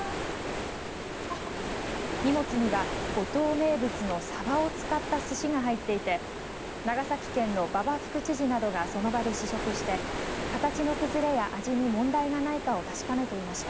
荷物には五島名物のさばを使ったすしが入っていて長崎県の馬場副知事などがその場で試食して形の崩れや味に問題がないかを確かめていました。